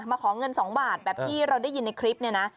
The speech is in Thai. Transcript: ขอเงิน๒บาทแบบที่เราได้ยินในคลิปเนี่ยนะ